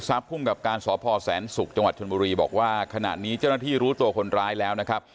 ภูมิกับการสพแสนศุกร์จังหวัดชนบุรีบอกว่าขณะนี้เจ้าหน้าที่รู้ตัวคนร้ายแล้วนะครับ